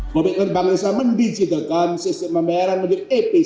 komitmen bank indonesia mendigitalkan sistem pembayaran menjadi